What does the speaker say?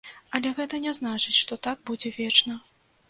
Але гэта не значыць, што так будзе вечна.